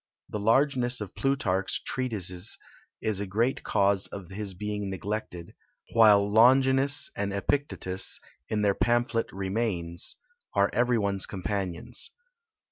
The largeness of Plutarch's treatises is a great cause of his being neglected, while Longinus and Epictetus, in their pamphlet Remains, are every one's companions.